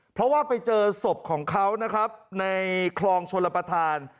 เพราะว่าไปเจอศพของเขานะครับในคลองชลประธาน